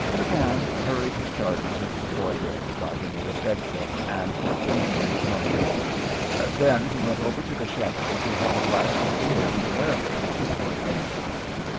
McKann hurried his charges into the foyer by the nearest exit and put them into his motor. Then he went over to the Schenley to have a glass of beer and a rarebit before train time.